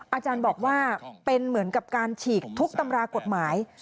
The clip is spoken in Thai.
อาจารย์บอกว่าเป็นเหมือนกับการฉีกทุกตำรากฎหมาย